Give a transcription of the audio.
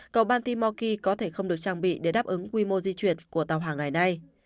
cầu bantimoki có thể không được trang bị để đáp ứng quy mô di chuyển của tàu hàng ngày nay